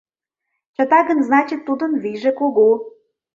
Чыта гын, значит, тудын вийже кугу.